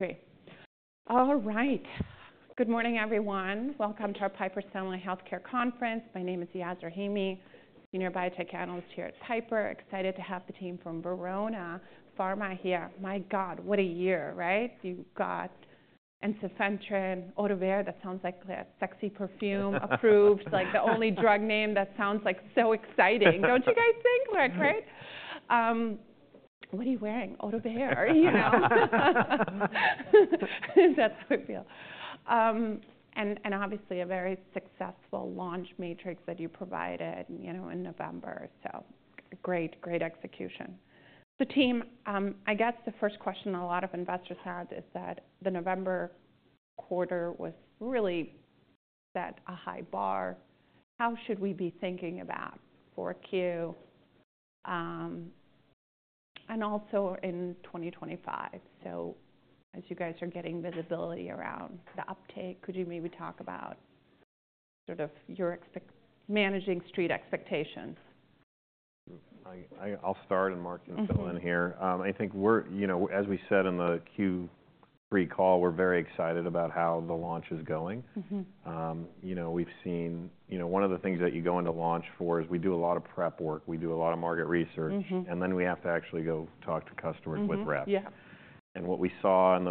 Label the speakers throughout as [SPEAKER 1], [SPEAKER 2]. [SPEAKER 1] Okay. All right. Good morning, everyone. Welcome to our Piper Sandler Healthcare Conference. My name is Yas Rahimi, Senior Biotech Analyst here at Piper. Excited to have the team from Verona Pharma here. My God, what a year, right? You've got ensifentrine, Ohtuvayre, that sounds like a sexy perfume, approved like the only drug name that sounds so exciting, don't you guys think? Right? What are you wearing? Ohtuvayre. That's how I feel. And obviously, a very successful launch matrix that you provided in November. Great, great execution. Team, I guess the first question a lot of investors had is that the November quarter was really set a high bar. How should we be thinking about 4Q and also in 2025? As you guys are getting visibility around the uptake, could you maybe talk about sort of your managing street expectations? I'll start and Mark can fill in here. I think we're, as we said in the Q3 call, we're very excited about how the launch is going. We've seen one of the things that you go into launch for is we do a lot of prep work, we do a lot of market research, and then we have to actually go talk to customers with reps. And what we saw in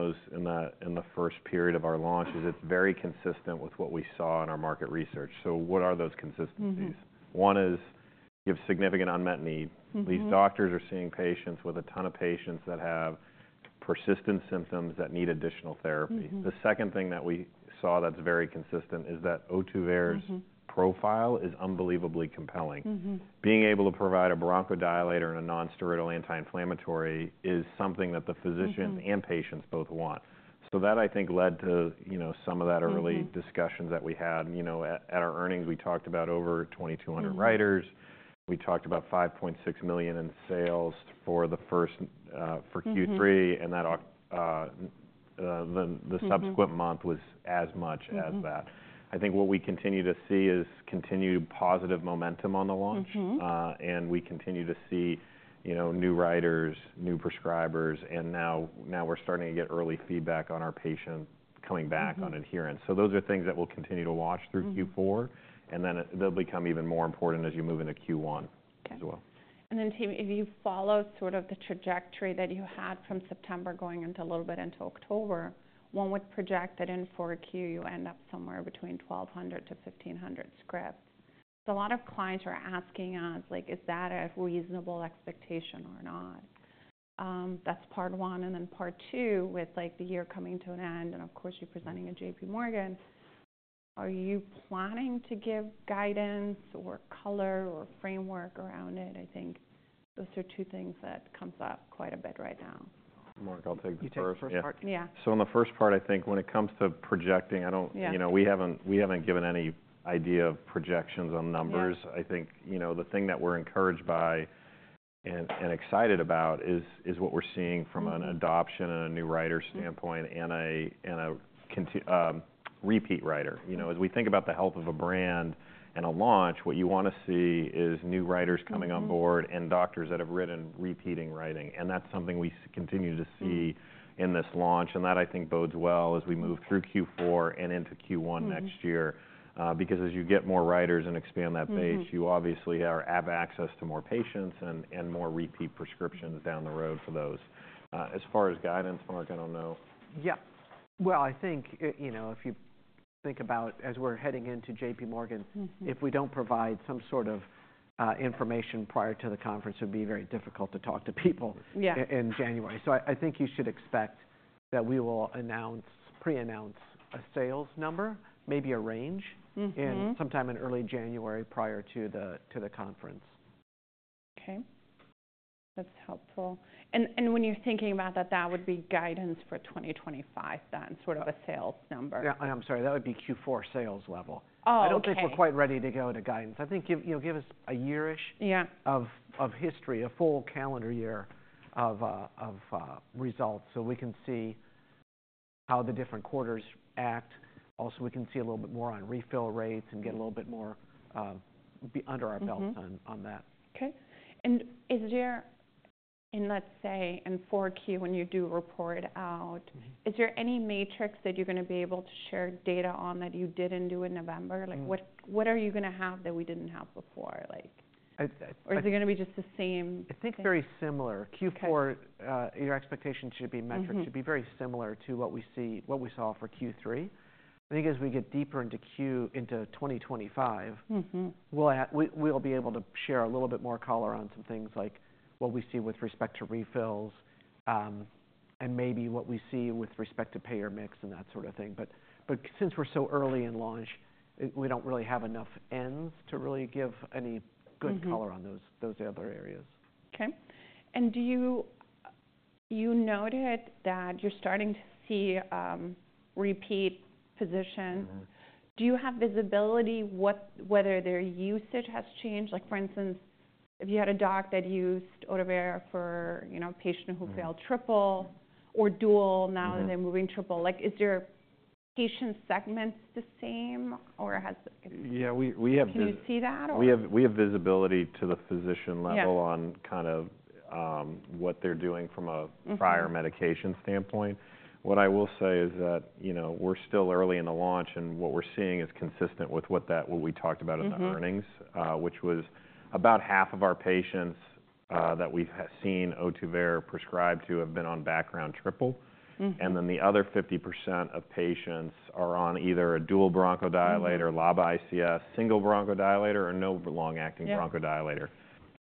[SPEAKER 1] the first period of our launch is it's very consistent with what we saw in our market research. So what are those consistencies? One is you have significant unmet need. These doctors are seeing patients with a ton of patients that have persistent symptoms that need additional therapy. The second thing that we saw that's very consistent is that Ohtuvayre's profile is unbelievably compelling. Being able to provide a bronchodilator and a nonsteroidal anti-inflammatory is something that the physician and patients both want. So that, I think, led to some of that early discussions that we had. At our earnings, we talked about over 2,200 writers. We talked about $5.6 million in sales for Q3, and the subsequent month was as much as that. I think what we continue to see is continued positive momentum on the launch, and we continue to see new writers, new prescribers, and now we're starting to get early feedback on our patients coming back on adherence. So those are things that we'll continue to watch through Q4, and then they'll become even more important as you move into Q1 as well. And then, team, if you follow sort of the trajectory that you had from September going into a little bit into October, one would project that in 4Q you end up somewhere between 1,200-1,500 scripts. So a lot of clients are asking us, is that a reasonable expectation or not? That's part one. And then part two, with the year coming to an end and of course you're presenting at JPMorgan, are you planning to give guidance or color or framework around it? I think those are two things that come up quite a bit right now. Mark, I'll take the first.
[SPEAKER 2] You take the first part.
[SPEAKER 1] Yeah. So in the first part, I think when it comes to projecting, we haven't given any idea of projections on numbers. I think the thing that we're encouraged by and excited about is what we're seeing from an adoption and a new writer standpoint and a repeat writer. As we think about the health of a brand and a launch, what you want to see is new writers coming on board and doctors that have written repeating writing. And that, I think, bodes well as we move through Q4 and into Q1 next year. Because as you get more writers and expand that base, you obviously have access to more patients and more repeat prescriptions down the road for those. As far as guidance, Mark, I don't know.
[SPEAKER 2] Yeah, well, I think if you think about as we're heading into JPMorgan, if we don't provide some sort of information prior to the conference, it would be very difficult to talk to people in January. So I think you should expect that we will pre-announce a sales number, maybe a range sometime in early January prior to the conference.
[SPEAKER 1] Okay. That's helpful. And when you're thinking about that, that would be guidance for 2025 then, sort of a sales number.
[SPEAKER 2] Yeah. I'm sorry. That would be Q4 sales level. I don't think we're quite ready to go to guidance. I think give us a year-ish of history, a full calendar year of results so we can see how the different quarters act. Also, we can see a little bit more on refill rates and get a little bit more under our belts on that.
[SPEAKER 1] Okay, and is there, let's say, in 4Q when you do report out, is there any metrics that you're going to be able to share data on that you didn't do in November? What are you going to have that we didn't have before? Or is it going to be just the same?
[SPEAKER 2] I think very similar. Q4, your expectation should be metric should be very similar to what we saw for Q3. I think as we get deeper into 2025, we'll be able to share a little bit more color on some things like what we see with respect to refills and maybe what we see with respect to payer mix and that sort of thing. But since we're so early in launch, we don't really have enough n's to really give any good color on those other areas.
[SPEAKER 1] Okay. And you noted that you're starting to see repeat positions. Do you have visibility whether their usage has changed? For instance, if you had a doc that used Ohtuvayre for a patient who failed triple or dual, now they're moving triple. Is their patient segments the same or has? Yeah. Can you see that? We have visibility to the physician level on kind of what they're doing from a prior medication standpoint. What I will say is that we're still early in the launch and what we're seeing is consistent with what we talked about in the earnings, which was about half of our patients that we've seen Ohtuvayre prescribed to have been on background triple, and then the other 50% of patients are on either a dual bronchodilator, LABA ICS, single bronchodilator, or no long-acting bronchodilator.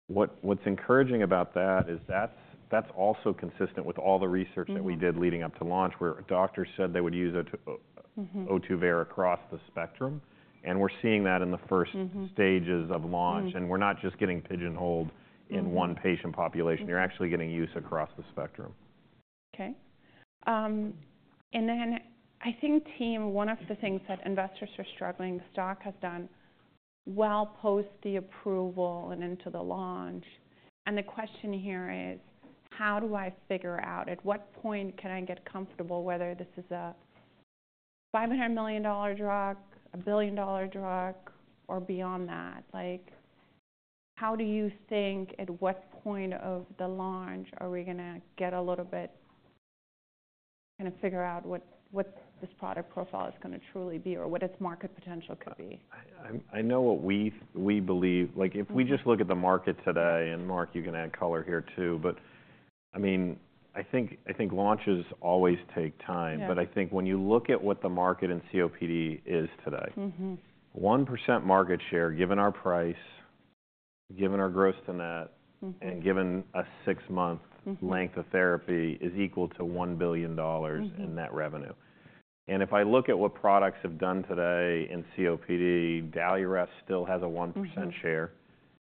[SPEAKER 1] What's encouraging about that is that's also consistent with all the research that we did leading up to launch where doctors said they would use Ohtuvayre across the spectrum, and we're seeing that in the first stages of launch, and we're not just getting pigeonholed in one patient population. You're actually getting use across the spectrum. Okay. And then I think, team, one of the things that investors are struggling with is the stock has done well post the approval and into the launch. And the question here is, how do I figure out at what point can I get comfortable whether this is a $500 million drug, a billion-dollar drug, or beyond that? How do you think at what point of the launch are we going to get a little bit kind of figure out what this product profile is going to truly be or what its market potential could be? I know what we believe. If we just look at the market today, and Mark, you can add color here too, but I mean, I think launches always take time. But I think when you look at what the market and COPD is today, 1% market share given our price, given our gross to net, and given a six-month length of therapy is equal to $1 billion in net revenue. And if I look at what products have done today in COPD, Daliresp still has a 1% share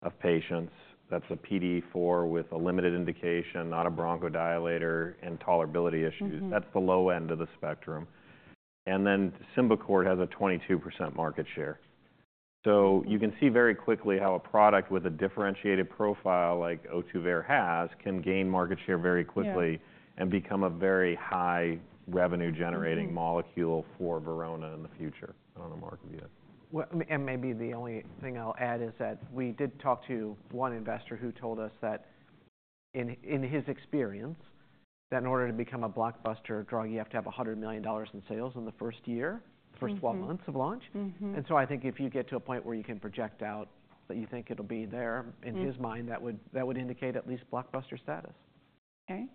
[SPEAKER 1] of patients. That's a PDE4 with a limited indication, not a bronchodilator, and tolerability issues. That's the low end of the spectrum. And then Symbicort has a 22% market share. You can see very quickly how a product with a differentiated profile like Ohtuvayre can gain market share very quickly and become a very high revenue-generating molecule for Verona in the future. I don't know, Mark, if you have.
[SPEAKER 2] Maybe the only thing I'll add is that we did talk to one investor who told us that in his experience in order to become a blockbuster drug, you have to have $100 million in sales in the first year, the first 12 months of launch. I think if you get to a point where you can project out that you think it'll be there, in his mind, that would indicate at least blockbuster status.
[SPEAKER 1] Okay.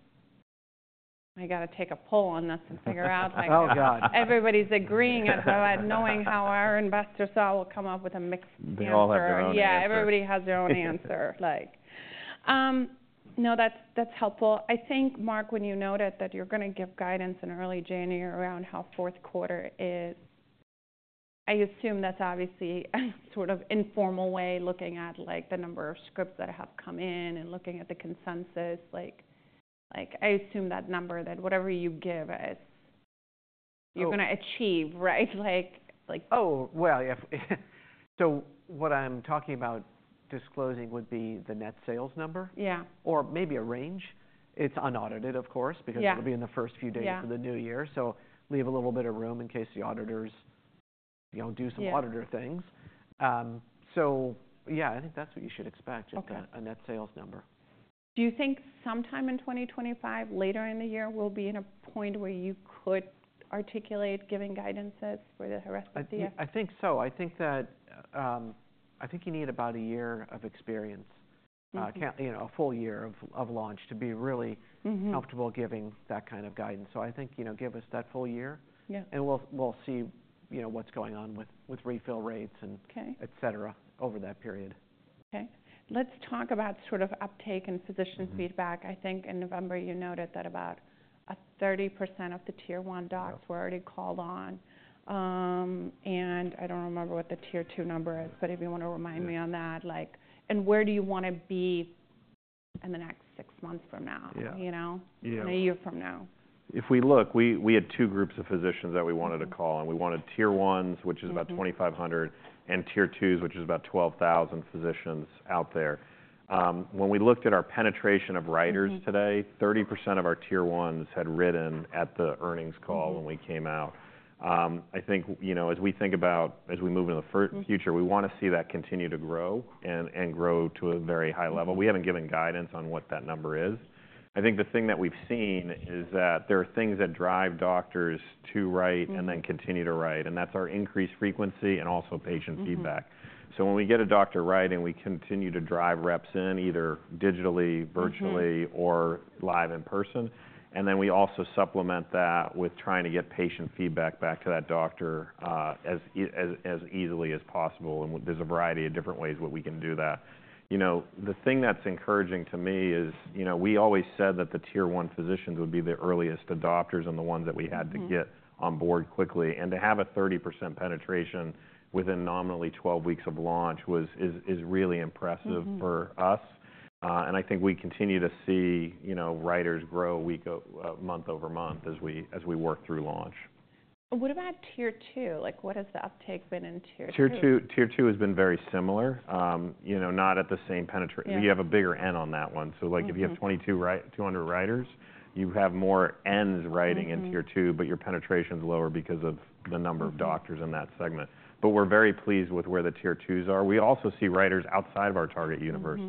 [SPEAKER 1] I got to take a poll on this and figure out.
[SPEAKER 2] Oh God.
[SPEAKER 1] Everybody's agreeing on how our investors all will come up with a mixed answer. They all have their own answer. Yeah. Everybody has their own answer. No, that's helpful. I think, Mark, when you noted that you're going to give guidance in early January around how fourth quarter is, I assume that's obviously a sort of informal way looking at the number of scripts that have come in and looking at the consensus. I assume that number, that whatever you give, you're going to achieve, right?
[SPEAKER 2] Oh, well, so what I'm talking about disclosing would be the net sales number?
[SPEAKER 1] Yeah.
[SPEAKER 2] Or maybe a range. It's unaudited, of course, because it'll be in the first few days of the new year. So leave a little bit of room in case the auditors do some auditor things. So yeah, I think that's what you should expect, just a net sales number.
[SPEAKER 1] Do you think sometime in 2025, later in the year, we'll be in a point where you could articulate giving guidances for the rest of the year?
[SPEAKER 2] I think so. I think you need about a year of experience, a full year of launch to be really comfortable giving that kind of guidance. So I think give us that full year and we'll see what's going on with refill rates and etc. over that period.
[SPEAKER 1] Okay. Let's talk about sort of uptake and physician feedback. I think in November, you noted that about 30% of the tier one docs were already called on, and I don't remember what the tier two number is, but if you want to remind me on that, and where do you want to be in the next six months from now, a year from now? If we look, we had two groups of physicians that we wanted to call, and we wanted tier ones, which is about 2,500, and tier twos, which is about 12,000 physicians out there. When we looked at our penetration of writers today, 30% of our tier ones had written at the earnings call when we came out. I think as we think about, as we move into the future, we want to see that continue to grow and grow to a very high level. We haven't given guidance on what that number is. I think the thing that we've seen is that there are things that drive doctors to write and then continue to write, and that's our increased frequency and also patient feedback, so when we get a doctor writing, we continue to drive reps in either digitally, virtually, or live in person. And then we also supplement that with trying to get patient feedback back to that doctor as easily as possible. And there's a variety of different ways that we can do that. The thing that's encouraging to me is we always said that the tier one physicians would be the earliest adopters and the ones that we had to get on board quickly. And to have a 30% penetration within nominally 12 weeks of launch is really impressive for us. And I think we continue to see writers grow month over month as we work through launch. What about tier two? What has the uptake been in tier two? Tier two has been very similar, not at the same penetration. You have a bigger N on that one. So if you have 2,200 writers, you have more Ns writing in tier two, but your penetration is lower because of the number of doctors in that segment. But we're very pleased with where the tier twos are. We also see writers outside of our target universe.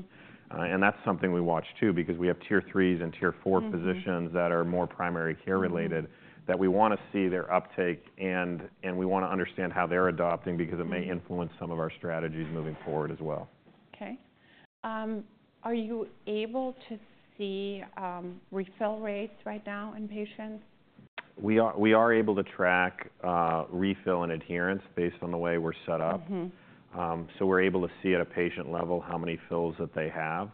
[SPEAKER 1] And that's something we watch too because we have tier threes and tier four physicians that are more primary care related that we want to see their uptake. And we want to understand how they're adopting because it may influence some of our strategies moving forward as well. Okay. Are you able to see refill rates right now in patients? We are able to track refill and adherence based on the way we're set up, so we're able to see at a patient level how many fills that they have.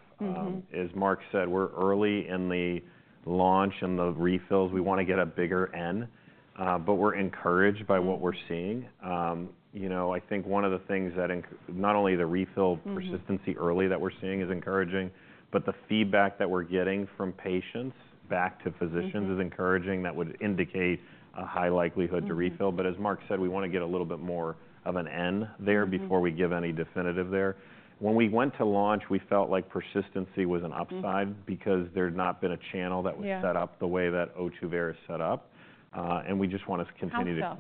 [SPEAKER 1] As Mark said, we're early in the launch and the refills. We want to get a bigger N, but we're encouraged by what we're seeing. I think one of the things that not only the refill persistency early that we're seeing is encouraging, but the feedback that we're getting from patients back to physicians is encouraging that would indicate a high likelihood to refill. But as Mark said, we want to get a little bit more of an N there before we give any definitive there. When we went to launch, we felt like persistency was an upside because there had not been a channel that was set up the way that Ohtuvayre is set up. And we just want to continue to build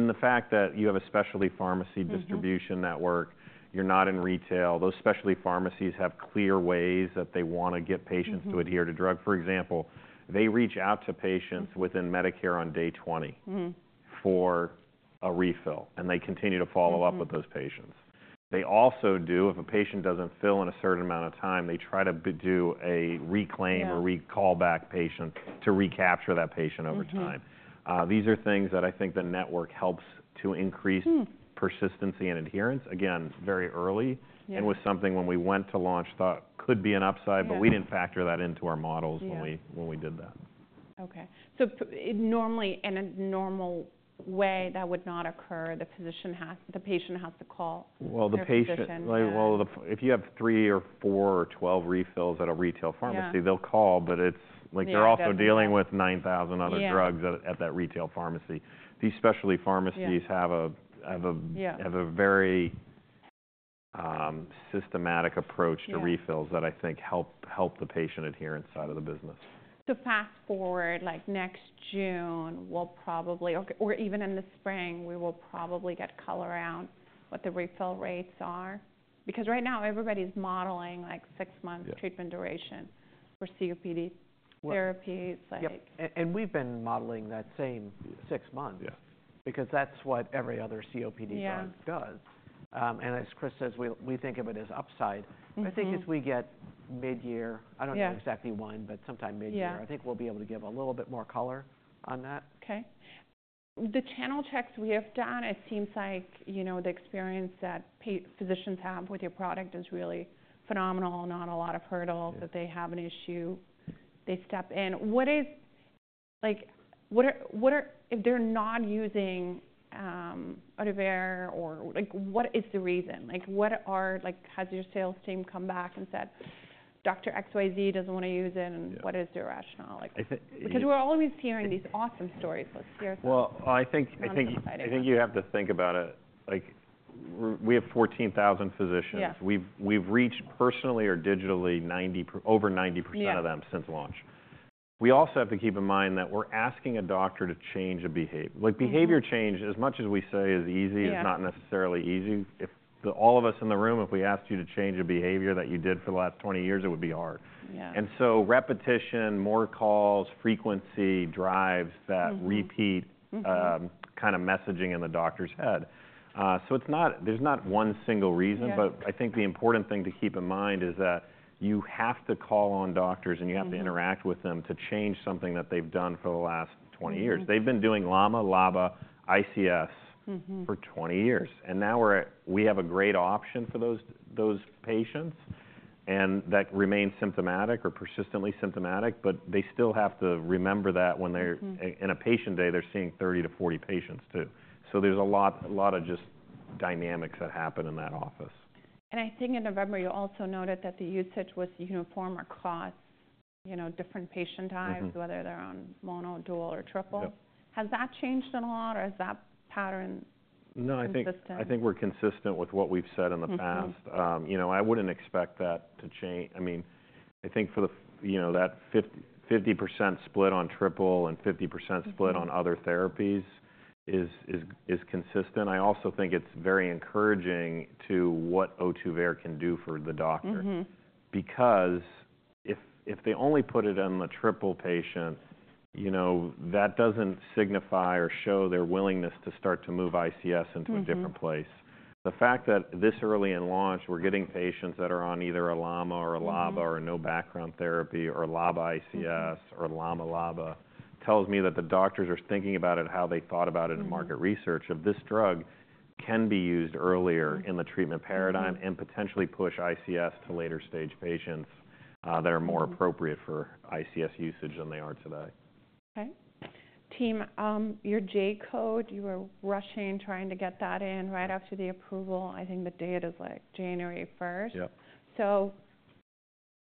[SPEAKER 1] on the fact that you have a specialty pharmacy distribution network. You're not in retail. Those specialty pharmacies have clear ways that they want to get patients to adhere to the drug. For example, they reach out to Medicare patients on day 20 for a refill. And they continue to follow up with those patients. They also do, if a patient doesn't fill in a certain amount of time, they try to do a reclaim or recall back the patient to recapture that patient over time. These are things that I think the network helps to increase persistency and adherence, again very early. And it was something when we went to launch we thought could be an upside, but we didn't factor that into our models when we did that. Okay. So in a normal way, that would not occur. The patient has to call the physician. If you have three or four or 12 refills at a retail pharmacy, they'll call, but it's like they're also dealing with 9,000 other drugs at that retail pharmacy. These specialty pharmacies have a very systematic approach to refills that I think help the patient adherence side of the business. To fast forward, next June, we'll probably, or even in the spring, we will probably get color on what the refill rates are because right now everybody's modeling six-month treatment duration for COPD therapies.
[SPEAKER 2] And we've been modeling that same six months because that's what every other COPD does. And as Chris says, we think of it as upside. I think as we get mid-year, I don't know exactly when, but sometime mid-year, I think we'll be able to give a little bit more color on that.
[SPEAKER 1] Okay. The channel checks we have done. It seems like the experience that physicians have with your product is really phenomenal, not a lot of hurdles that they have an issue with. They step in. If they're not using Ohtuvayre, what is the reason? Has your sales team come back and said, "Dr. XYZ doesn't want to use it"? And what is your rationale? Because we're always hearing these awesome stories. Let's hear some exciting. I think you have to think about it. We have 14,000 physicians. We've reached personally or digitally over 90% of them since launch. We also have to keep in mind that we're asking a doctor to change a behavior. Behavior change, as much as we say is easy, is not necessarily easy. All of us in the room, if we asked you to change a behavior that you did for the last 20 years, it would be hard, and so repetition, more calls, frequency drives that repeat kind of messaging in the doctor's head. So there's not one single reason, but I think the important thing to keep in mind is that you have to call on doctors and you have to interact with them to change something that they've done for the last 20 years. They've been doing LAMA, LABA, ICS for 20 years. And now we have a great option for those patients that remain symptomatic or persistently symptomatic, but they still have to remember that when they're in a patient day, they're seeing 30-40 patients too. So there's a lot of just dynamics that happen in that office. I think in November, you also noted that the usage was uniform across different patient types, whether they're on mono, dual, or triple. Has that changed at all, or is that pattern consistent? No, I think we're consistent with what we've said in the past. I wouldn't expect that to change. I mean, I think that 50% split on triple and 50% split on other therapies is consistent. I also think it's very encouraging to what Ohtuvayre can do for the doctor because if they only put it in the triple patient, that doesn't signify or show their willingness to start to move ICS into a different place. The fact that this early in launch, we're getting patients that are on either a LAMA or a LABA or no background therapy or LABA ICS or LAMA LABA tells me that the doctors are thinking about it how they thought about it in market research of this drug can be used earlier in the treatment paradigm and potentially push ICS to later stage patients that are more appropriate for ICS usage than they are today. Okay. Team, your J-code, you were rushing trying to get that in right after the approval. I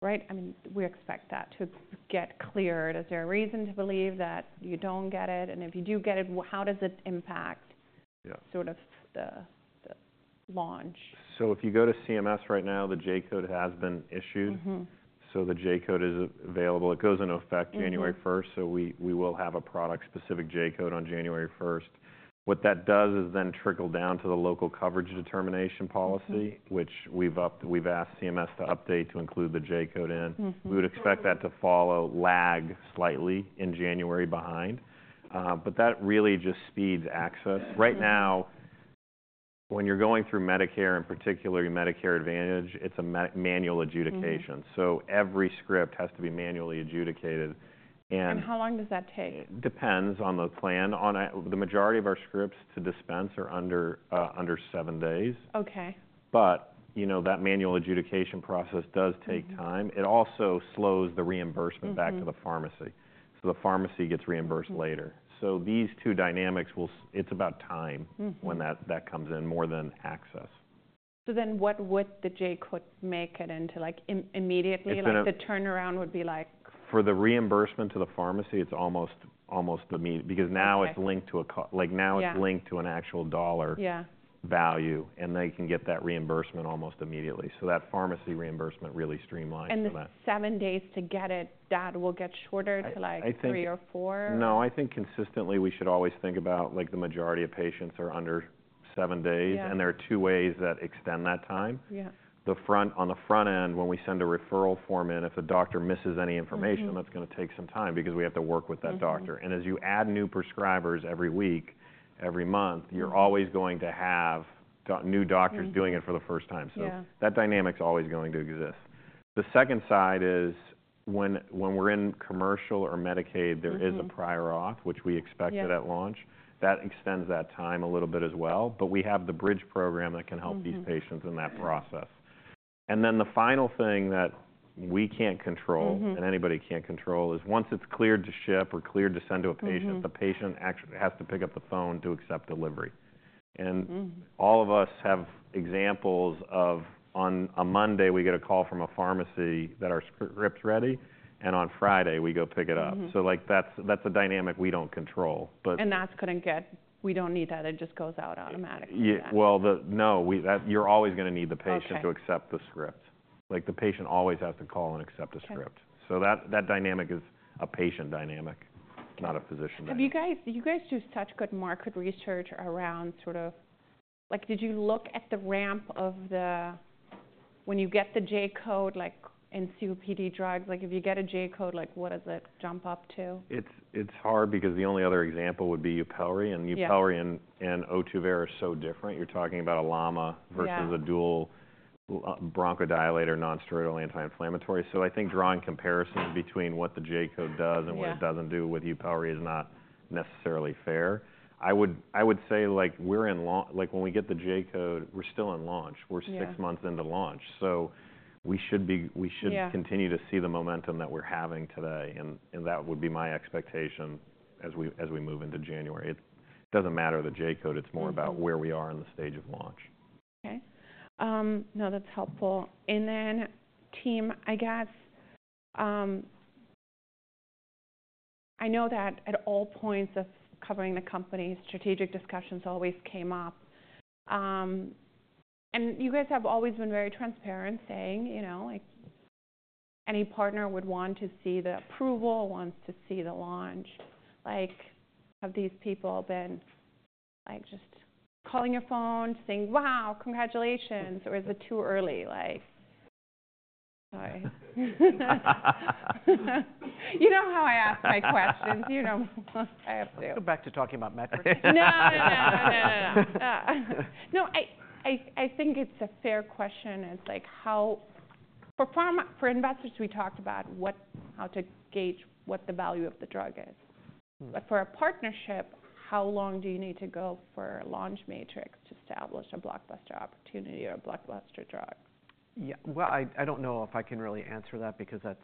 [SPEAKER 1] mean, we expect that to get cleared. Is there a reason to believe that you don't get it, and if you do get it, how does it impact sort of the launch? If you go to CMS right now, the J-code has been issued. The J-code is available. It goes into effect January 1st. We will have a product-specific J-code on January 1st. What that does is then trickle down to the local coverage determination policy, which we've asked CMS to update to include the J-code in. We would expect that to follow lag slightly in January behind. But that really just speeds access. Right now, when you're going through Medicare in particular, your Medicare Advantage, it's a manual adjudication. Every script has to be manually adjudicated. How long does that take? It depends on the plan. The majority of our scripts to dispense are under seven days. But that manual adjudication process does take time. It also slows the reimbursement back to the pharmacy. So the pharmacy gets reimbursed later. So these two dynamics, it's about time when that comes in more than access. So then what would the J-code make it into? Immediately, the turnaround would be like. For the reimbursement to the pharmacy, it's almost immediate because now it's linked to an actual dollar value, and they can get that reimbursement almost immediately, so that pharmacy reimbursement really streamlines from that. The seven days to get it, that will get shorter to like three or four? No, I think consistently we should always think about the majority of patients are under seven days, and there are two ways that extend that time. On the front end, when we send a referral form in, if the doctor misses any information, that's going to take some time because we have to work with that doctor, and as you add new prescribers every week, every month, you're always going to have new doctors doing it for the first time, so that dynamic is always going to exist. The second side is when we're in commercial or Medicaid, there is a prior auth, which we expected at launch. That extends that time a little bit as well, but we have the bridge program that can help these patients in that process. And then the final thing that we can't control and anybody can't control is once it's cleared to ship or cleared to send to a patient, the patient has to pick up the phone to accept delivery. And all of us have examples of on a Monday, we get a call from a pharmacy that our script's ready. And on Friday, we go pick it up. So that's a dynamic we don't control. And that's going to get we don't need that. It just goes out automatically. No, you're always going to need the patient to accept the script. The patient always has to call and accept a script. So that dynamic is a patient dynamic, not a physician dynamic. Have you guys just such good market research around sort of did you look at the ramp of the when you get the J-code in COPD drugs? If you get a J-code, what does it jump up to? It's hard because the only other example would be Yupelri, and Yupelri and Ohtuvayre are so different. You're talking about a LAMA versus a dual bronchodilator, nonsteroidal anti-inflammatory, so I think drawing comparisons between what the J-code does and what it doesn't do with Yupelri is not necessarily fair. I would say when we get the J-code, we're still in launch. We're six months into launch, so we should continue to see the momentum that we're having today, and that would be my expectation as we move into January. It doesn't matter the J-code. It's more about where we are in the stage of launch. Okay. No, that's helpful and then, team, I guess I know that at all points of covering the companies, strategic discussions always came up and you guys have always been very transparent saying any partner would want to see the approval, wants to see the launch. Have these people been just calling your phone, saying, "Wow, congratulations," or is it too early? You know how I ask my questions. You know I have to.
[SPEAKER 2] Let's go back to talking about Medicare.
[SPEAKER 1] No, no, no, no, no. No, I think it's a fair question. For investors, we talked about how to gauge what the value of the drug is. But for a partnership, how long do you need to go for a launch matrix to establish a blockbuster opportunity or a blockbuster drug?
[SPEAKER 2] Yeah. Well, I don't know if I can really answer that because that's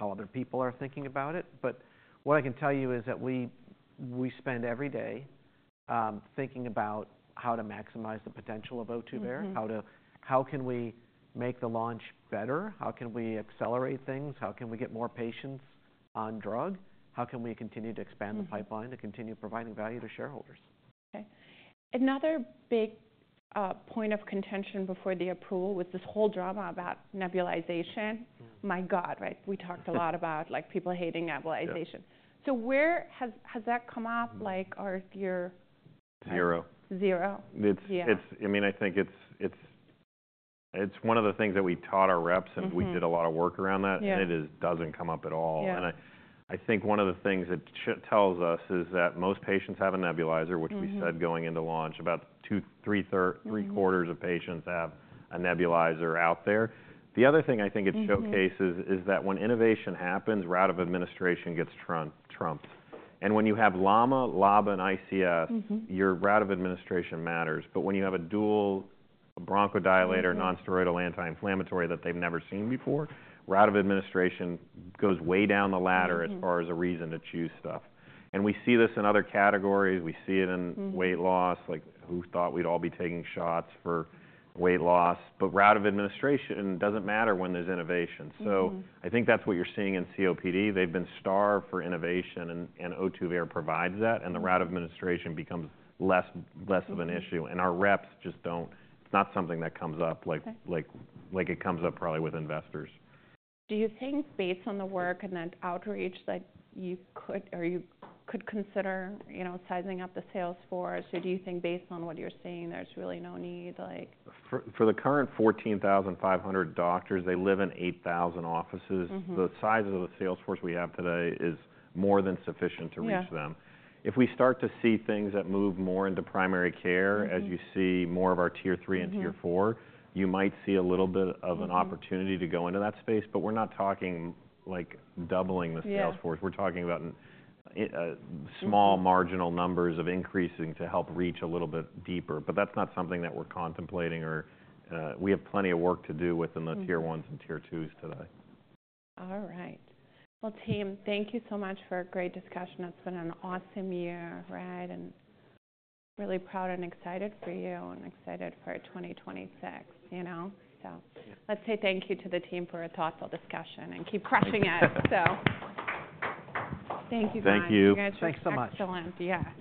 [SPEAKER 2] how other people are thinking about it. But what I can tell you is that we spend every day thinking about how to maximize the potential of Ohtuvayre. How can we make the launch better? How can we accelerate things? How can we get more patients on drug? How can we continue to expand the pipeline to continue providing value to shareholders?
[SPEAKER 1] Okay. Another big point of contention before the approval was this whole drama about nebulization. My God, we talked a lot about people hating nebulization. So where has that come up? Zero. Zero. I mean, I think it's one of the things that we taught our reps, and we did a lot of work around that, and it doesn't come up at all, and I think one of the things it tells us is that most patients have a nebulizer, which we said going into launch, about three-quarters of patients have a nebulizer out there. The other thing I think it showcases is that when innovation happens, route of administration gets trumped, and when you have LAMA, LABA, and ICS, your route of administration matters, but when you have a dual bronchodilator, nonsteroidal anti-inflammatory that they've never seen before, route of administration goes way down the ladder as far as a reason to choose stuff, and we see this in other categories. We see it in weight loss. Who thought we'd all be taking shots for weight loss? But route of administration doesn't matter when there's innovation, so I think that's what you're seeing in COPD. They've been starved for innovation, and Ohtuvayre provides that, and the route of administration becomes less of an issue, and our reps just don't. It's not something that comes up like it comes up probably with investors. Do you think based on the work and that outreach that you could consider sizing up the sales force, or do you think based on what you're seeing, there's really no need? For the current 14,500 doctors, they live in 8,000 offices. The size of the sales force we have today is more than sufficient to reach them. If we start to see things that move more into primary care, as you see more of our tier three and tier four, you might see a little bit of an opportunity to go into that space. But we're not talking doubling the sales force. We're talking about small marginal numbers of increasing to help reach a little bit deeper. But that's not something that we're contemplating. We have plenty of work to do within the tier ones and tier twos today. All right. Well, team, thank you so much for a great discussion. It's been an awesome year, right, and really proud and excited for you and excited for 2026, so let's say thank you to the team for a thoughtful discussion and keep crushing it. So thank you for you guys. Thank you.
[SPEAKER 2] Thanks so much.
[SPEAKER 1] Excellent. Yeah.